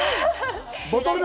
ボトルで。